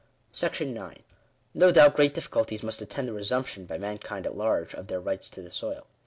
§9. No doubt great difficulties must attend the resumption, by mankind at large, of their rights to the soil.